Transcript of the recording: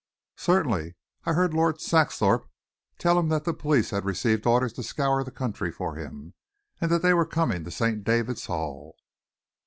"Certainly. I heard Lord Saxthorpe tell him that the police had received orders to scour the country for him, and that they were coming to St. David's Hall."